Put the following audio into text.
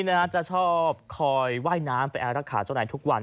นี่นะจะชอบคอยว่ายน้ำไปแอลกขาเจ้าหน่ายทุกวัน